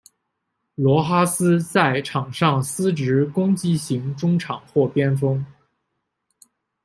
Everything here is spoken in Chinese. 罗哈斯在场上司职攻击型中场或边锋。